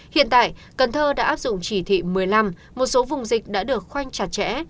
hiện tại cần thơ đã áp dụng chỉ thị một mươi năm một số vùng dịch đã được khoanh chặt chẽ